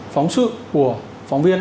phóng sự của phóng viên